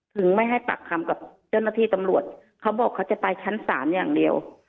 ไม่ให้ปากคำกับเจ้าหน้าที่ตำรวจเขาบอกเขาจะไปชั้นศาลอย่างเดียว